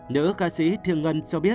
nhữ ca sĩ thiêng ngân cho biết